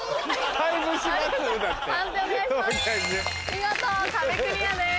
見事壁クリアです。